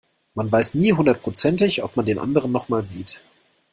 Man weiß nie hundertprozentig, ob man den anderen noch mal sieht.